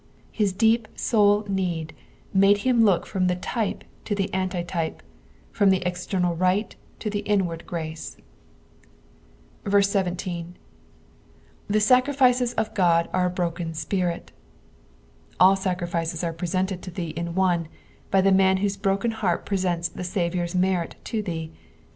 Hix deep eoul need made him look from the tjpe to the antitype, from the external rite tii the inward grace. 17. "7^ iaer\/iee> of Qed are aorottn ipirit." All sacrifices ate preEented to thee in one, bj the mau whose broken heart presents the Saviour's merit to thee.'